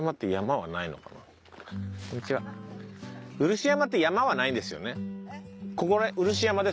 漆山っていう山はないですよね？